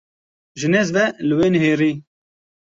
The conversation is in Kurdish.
Ji nêz ve li wê nihêrî.